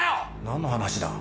何の話だ？